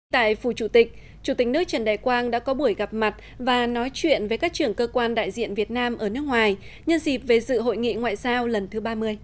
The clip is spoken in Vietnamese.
tại phủ chủ tịch chủ tịch nước trần đại quang đã có buổi gặp mặt và nói chuyện với các trưởng cơ quan đại diện việt nam ở nước ngoài nhân dịp về dự hội nghị ngoại giao lần thứ ba mươi